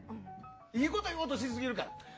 いいこと言おうとしすぎるから。